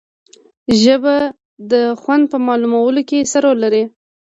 ژبه د خوند په معلومولو کې څه رول لري